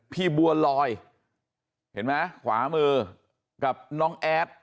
พี่บัวลอยเห็นมั้ยขวามือกับน้องแอด